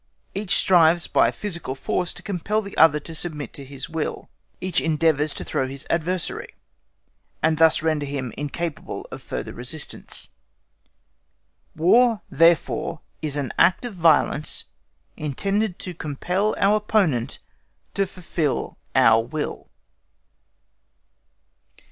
Each strives by physical force to compel the other to submit to his will: each endeavours to throw his adversary, and thus render him incapable of further resistance. _War therefore is an act of violence intended to compel our opponent to fulfil our will.